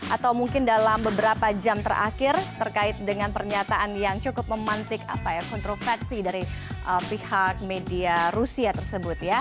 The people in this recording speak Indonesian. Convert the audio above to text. atau mungkin dalam beberapa jam terakhir terkait dengan pernyataan yang cukup memantik kontroversi dari pihak media rusia tersebut ya